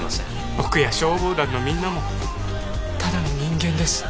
僕や消防団のみんなもただの人間です。